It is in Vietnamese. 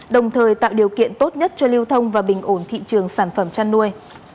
đồng thời tạo điều kiện tốt nhất cho lưu thông và bình ổn thị trường sản phẩm chăn nuôi